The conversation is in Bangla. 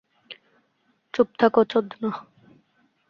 চুপ থাক, চোদনা!